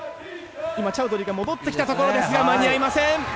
今チャウドリーが戻ってきたところですが間に合いません。